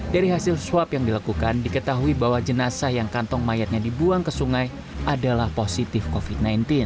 dari hasil swab yang dilakukan diketahui bahwa jenazah yang kantong mayatnya dibuang ke sungai adalah positif covid sembilan belas